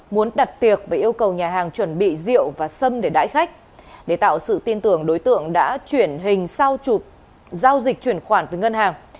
muốn đặt tiệc và yêu cầu nhà hàng chuẩn bị rượu và sâm để đãi khách để tạo sự tin tưởng đối tượng đã chuyển hình sau chụp giao dịch chuyển khoản từ ngân hàng